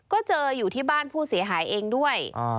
ก็เจออยู่ที่บ้านผู้เสียหายเองด้วย